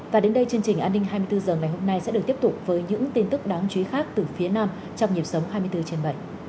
và đến đây chương trình an ninh hai mươi bốn h ngày hôm nay sẽ được tiếp tục với những tin tức đáng chú ý khác từ phía nam trong nhịp sống hai mươi bốn trên bảy